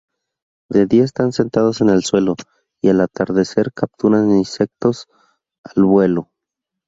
De día están sentados en el suelo y al atardecer capturan insectos al vuelo.